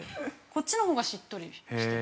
こっちのほうがしっとりして。